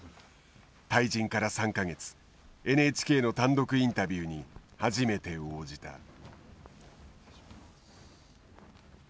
退陣から３か月ＮＨＫの単独インタビューに初めて応じた。